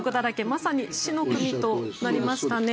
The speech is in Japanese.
まさに死の組となりましたね。